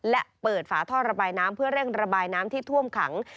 และเปิดฝาท่อระบายน้ำเพื่อเร่งระบายน้ำที่ท่วมขัง